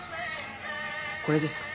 これですか？